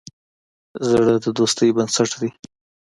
زړه د دوستی بنسټ دی.